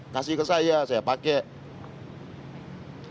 kasih ke saya saya pakai